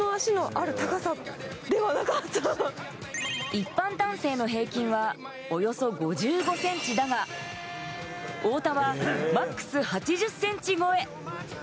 一般男性の平均はおよそ５５ｃｍだが、太田はマックス８０ｃｍ超え。